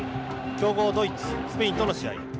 強豪ドイツ、スペインとの試合。